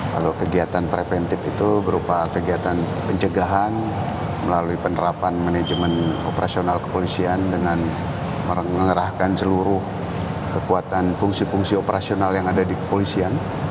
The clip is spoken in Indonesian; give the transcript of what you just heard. kalau kegiatan preventif itu berupa kegiatan pencegahan melalui penerapan manajemen operasional kepolisian dengan mengerahkan seluruh kekuatan fungsi fungsi operasional yang ada di kepolisian